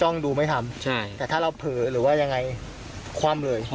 ดูไม่ทำใช่แต่ถ้าเราเผลอหรือว่ายังไงคว่ำเลย